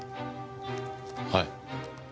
はい。